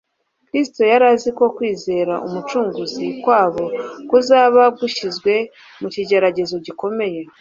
Kristo yari azi ko kwizera Umucunguzi kwabo kuzaba gushyizwe mu kigeragezo gikomeye